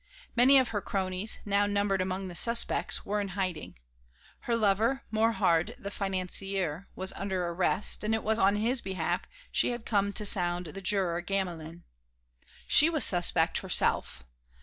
Many of her cronies, now numbered among the suspects, were in hiding; her lover, Morhardt the financier, was under arrest, and it was on his behalf she had come to sound the juror Gamelin. She was suspect herself.